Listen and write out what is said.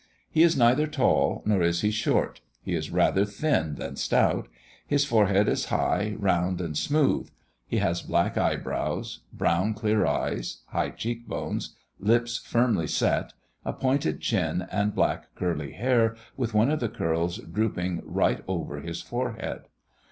He is neither tall nor is he short; he is rather thin than stout; his forehead is high, round, and smooth; he has black eyebrows; brown clear eyes; high cheek bones; lips firmly set; a pointed chin and black curly hair, with one of the curls drooping right over his forehead.